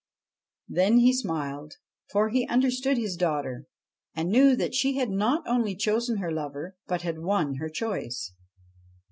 Then he smiled, for he understood his daughter, and knew that she had not only chosen her lover, but had won her choice.